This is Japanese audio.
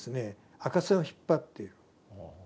赤線を引っ張っている。